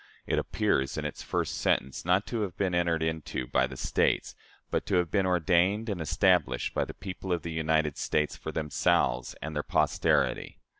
It appears, in its first sentence, not to have been entered into by the States, but to have been ordained and established by the people of the United States for themselves and their 'posterity.'